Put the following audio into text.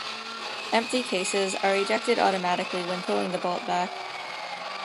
Empty cases are ejected automatically when pulling the bolt back.